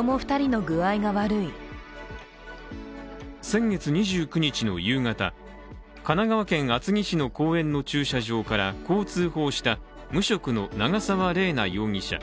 先月２９日の夕方神奈川県厚木市の公園の駐車場からこう通報した無職の長沢麗奈容疑者。